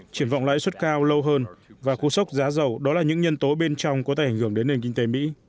triển vọng lãi suất cao lâu hơn và khu sốc giá giàu đó là những nhân tố bên trong có thể hình dung đến nền kinh tế mỹ